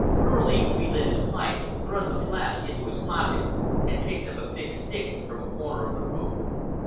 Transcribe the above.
Furley relit his pipe, thrust a flask into his pocket, and picked up a thick stick from a corner of the room.